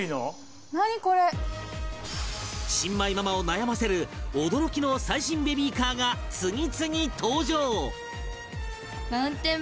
新米ママを悩ませる驚きの最新ベビーカーが次々登場！